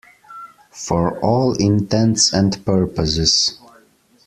For all intents and purposes.